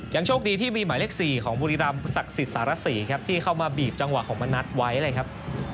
โชคดีที่มีหมายเลข๔ของบุรีรำศักดิ์สิทธิสารสีครับที่เข้ามาบีบจังหวะของมณัฐไว้เลยครับ